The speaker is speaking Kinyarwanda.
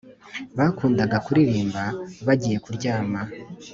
bakundaga kuririmba bagiye kuryama